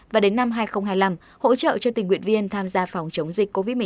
và đến năm hai nghìn hai mươi năm hỗ trợ cho tình nguyện viên tham gia phòng chống dịch covid một mươi chín